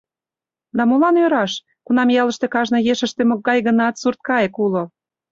Да молан ӧраш, кунам ялыште кажне ешыште могай-гынат сурткайык уло.